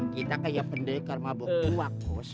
kita kayak pendekar mabok buah kos